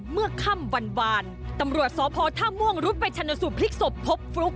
เมื่อค่ำวันวานตำรวจสพท่าม่วงรุดไปชนสูตรพลิกศพพบฟลุ๊ก